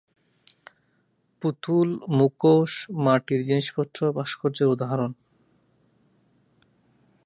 পুতুল, মুখোশ, মাটির জিনিসপত্র ভাস্কর্যের উদাহরণ।